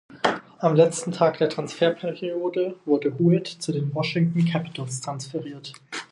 Am letzten Tag der Transferperiode wurde Huet zu den Washington Capitals transferiert.